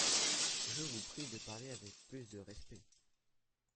Je vous prie de parler avec plus de respect…